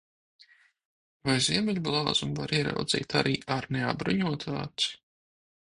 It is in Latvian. Vai ziemeļblāzmu var ieraudzīt arī ar neapbruņotu aci?